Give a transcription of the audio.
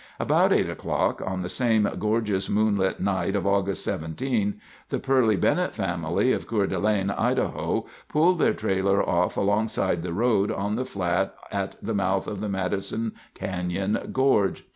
At about 8:00 o'clock on the same gorgeous moonlight night of August 17, the Purley Bennett family of Coeur d'Alene, Idaho, pulled their trailer off alongside the road on the flat at the mouth of the Madison Canyon Gorge.